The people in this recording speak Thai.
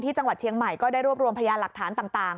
จังหวัดเชียงใหม่ก็ได้รวบรวมพยานหลักฐานต่าง